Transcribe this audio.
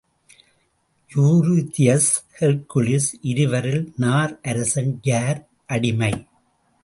Eurystheus, Hercules.... இருவரில் நார் அரசன், யார் அடிமை?